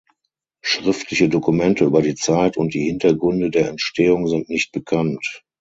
Schriftliche Dokumente über die Zeit und die Hintergründe der Entstehung sind nicht bekannt.